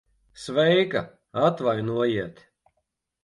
Sveika. Atvainojiet...